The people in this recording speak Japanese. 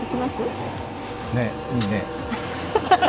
ねえ、いいね。